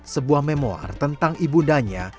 sebuah memoir tentang ibundanya